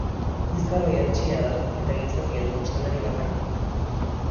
Bizkarroi hertsia da, eta gizakia du ostalari bakarra.